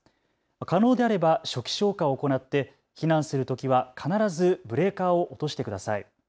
可能であれば初期消火を行って避難するときは必ずブレーカーを落としてください。